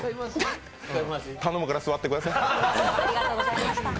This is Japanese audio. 頼むから座ってください。